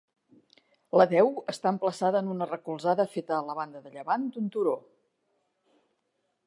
La deu està emplaçada en una recolzada feta a la banda de llevant d'un turó.